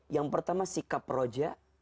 yang pertama sikap roja